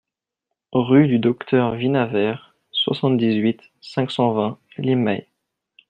Rue du Docteur Vinaver, soixante-dix-huit, cinq cent vingt Limay